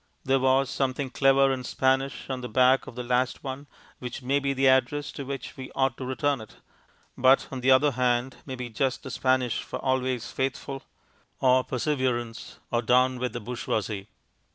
There was something clever in Spanish on the back of the last one, which may be the address to which we ought to return it, but on the other hand, may be just the Spanish for "Always faithful" or "Perseverance" or "Down with the bourgeoisie."